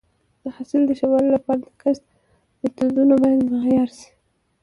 د حاصل د ښه والي لپاره د کښت میتودونه باید معیاري شي.